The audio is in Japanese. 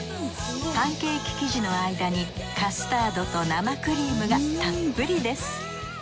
パンケーキ生地の間にカスタードと生クリームがたっぷりです。